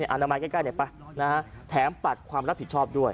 อันดับใกล้ไหนไปนะฮะแถมปัดความรับผิดชอบด้วย